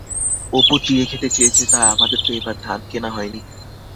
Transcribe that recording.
অপু চিড়ে খেতে চেয়েছে, তা আমাদের তো এবার ধান কেনা হয়নি।